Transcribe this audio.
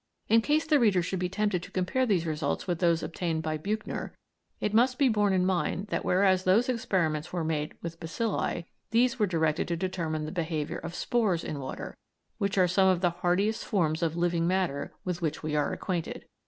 In case the reader should be tempted to compare these results with those obtained by Buchner, it must be borne in mind that whereas those experiments were made with bacilli, these were directed to determine the behaviour of spores in water, which are some of the hardiest forms of living matter with which we are acquainted.